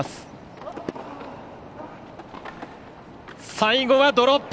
最後は、ドロップ！